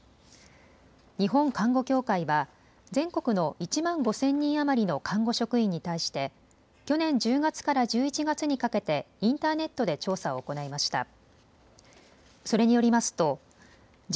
日本看護協会は全国の１万５０００人余りの看護職員に対して去年１０月から１１月にかけてインターネットで調査を行いました。